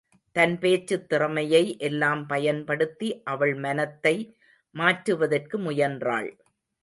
தன் பேச்சுத் திறமையை எல்லாம் பயன்படுத்தி, அவள் மனத்தை மாற்றுவதற்கு முயன்றாள்.